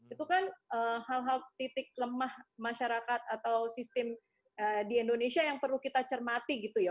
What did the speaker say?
itu kan hal hal titik lemah masyarakat atau sistem di indonesia yang perlu kita cermati gitu ya